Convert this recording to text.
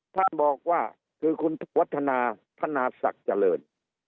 ท่านบอกว่าคือคุณวัฒนาพนาศักดิ์เจริญ